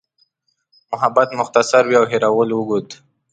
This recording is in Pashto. محبت مختصر وي او هېرول اوږد.